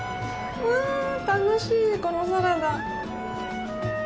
うわぁ、楽しい、このサラダ。